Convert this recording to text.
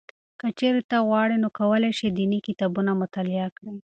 که چېرې ته وغواړې نو کولای شې دیني کتابونه مطالعه کړې.